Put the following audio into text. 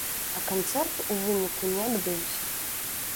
А канцэрт у выніку не адбыўся.